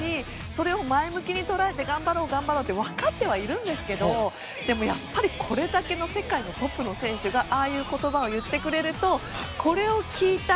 それを前向きに捉えて頑張ろう、頑張ろうって分かってはいるんですがやっぱりこれだけの世界のトップの選手がああいう言葉を言ってくれると、これを聞いた